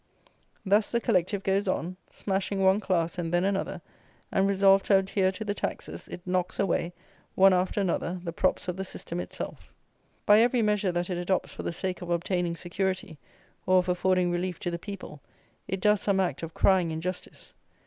Thus the collective goes on, smashing one class and then another; and, resolved to adhere to the taxes, it knocks away, one after another, the props of the system itself. By every measure that it adopts for the sake of obtaining security, or of affording relief to the people, it does some act of crying injustice.